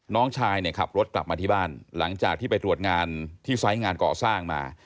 น้องชายเนี่ยขับรถกลับมาที่บ้านหลังจากที่ไปตรวจงานที่ไซส์งานก่อสร้างมา